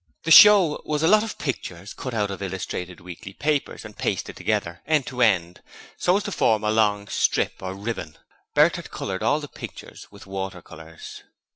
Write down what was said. The 'Show' was a lot of pictures cut out of illustrated weekly papers and pasted together, end to end, so as to form a long strip or ribbon. Bert had coloured all the pictures with water colours.